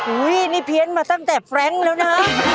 อุ้ยนี่เพี้ยนมาตั้งแต่แฟรงค์แล้วนะ